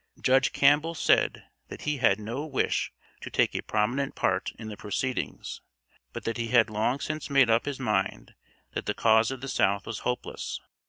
Judge Campbell said that he had no wish to take a prominent part in the proceedings, but that he had long since made up his mind that the cause of the South was hopeless.